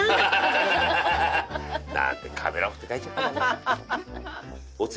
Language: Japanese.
なんで「カメラオフ」って書いちゃったかな。